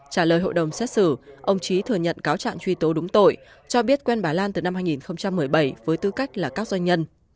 trả lời hội đồng xét xử ông trí thừa nhận cáo trạng truy tố đúng tội cho biết quen bà lan từ năm hai nghìn một mươi bảy với tư cách là các doanh nhân